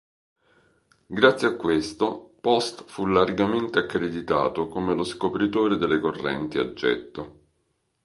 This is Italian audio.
Grazie a questo, Post fu largamente accreditato come lo scopritore delle correnti a getto.